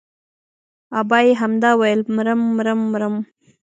ابا يې همدا ويل مرم مرم مرم.